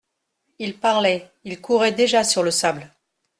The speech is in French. Il parlait, il courait déjà sur le sable.